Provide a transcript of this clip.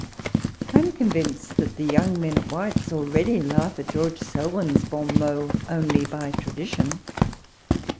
I am convinced that the young men at White's already laugh at George Selwyn's hoti inofs only by tradition.